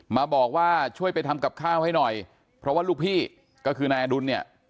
มาบอกว่าช่วยไปทำกับข้าวให้หน่อยเพราะว่าลูกพี่ก็คือนายอดุลเนี่ย